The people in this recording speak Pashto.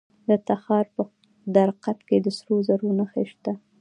د تخار په درقد کې د سرو زرو نښې شته.